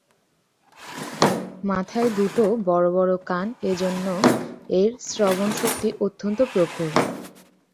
মাথায় দুটো বড়ো বড়ো কান, এজন্য এর শ্রবণ শক্তি অত্যন্ত প্রখর।